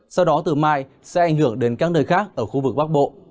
sau đó từ mai sẽ ảnh hưởng đến các nơi khác ở khu vực bắc bộ